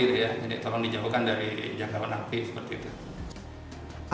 jadi tolong dijauhkan dari jangkauan api seperti itu